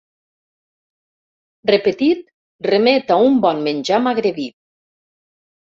Repetit, remet a un bon menjar magrebí.